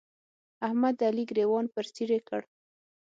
احمد د علي ګرېوان پر څيرې کړ.